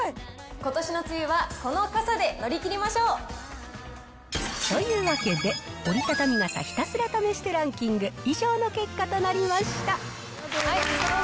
ことしの梅雨は、この傘で乗り切というわけで、折りたたみ傘ひたすら試してランキング、以上の結果となりました。